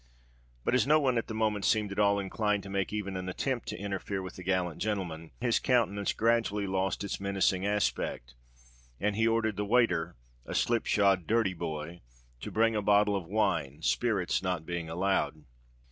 But as no one at the moment seemed at all inclined to make even an attempt to interfere with the gallant gentleman, his countenance gradually lost its menacing aspect; and he ordered the waiter—a slip shod, dirty boy—to bring a bottle of wine, spirits not being allowed.